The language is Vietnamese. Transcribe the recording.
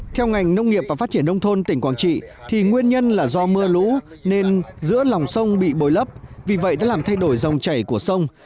theo ngành nông nghiệp và phát triển nông thôn tỉnh quảng trị thì nguyên nhân là do mưa lũ nên giữa lòng sông bị bồi lấp vì vậy đã làm thay đổi dòng chảy của sông